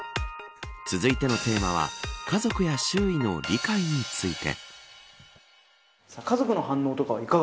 続いてのテーマは家族や周囲の理解について。